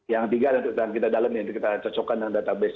yang tiga dan kita dalam yang kita cocokkan dengan database